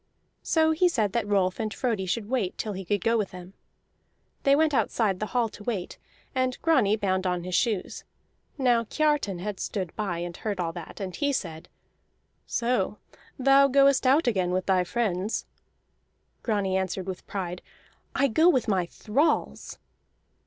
So he said that Rolf and Frodi should wait till he could go with them. They went outside the hall to wait, and Grani bound on his shoes. Now Kiartan had stood by and heard all that, and he said: "So thou goest out again with thy friends?" Grani answered with pride: "I go with my thralls!"